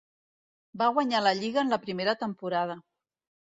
Van guanyar la lliga en la primera temporada.